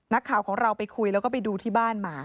นักข่าวของเราไปคุยแล้วก็ไปดูที่บ้านมา